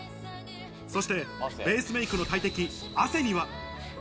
そしてベースメイクの大敵、汗には。